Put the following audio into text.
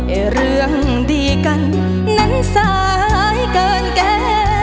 เรื่องดีกันนั้นสายเกินแก